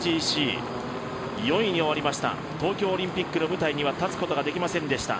ＭＧＣ、４位に終わりました東京オリンピックの舞台には立つことはできませんでした。